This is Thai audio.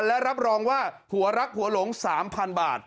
และรับรองว่าผัวรักผัวหลง๓๐๐๐บาท